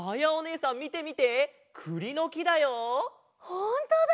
ほんとだ！